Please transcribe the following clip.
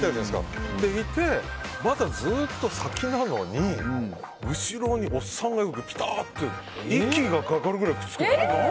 そこにいて、まだずっと先なのに後ろにおっさんがぴたって息がかかるぐらいくっついてくる。